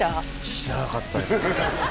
知らなかったです